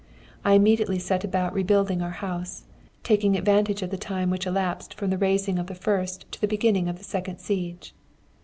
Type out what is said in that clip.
I immediately set about rebuilding our house, taking advantage of the time which elapsed from the raising of the first to the beginning of the second siege.